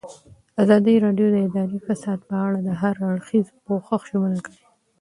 ازادي راډیو د اداري فساد په اړه د هر اړخیز پوښښ ژمنه کړې.